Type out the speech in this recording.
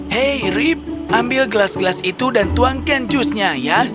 hei rip ambil gelas gelas itu dan tuangkan jusnya ya